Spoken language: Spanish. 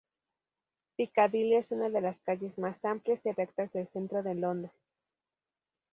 Piccadilly es una de las calles más amplias y rectas del centro de Londres.